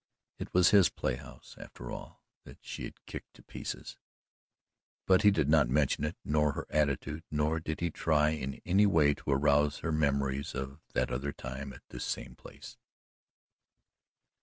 It was his playhouse, after all, that she had kicked to pieces. But he did not mention it nor her attitude nor did he try, in any way, to arouse her memories of that other time at this same place.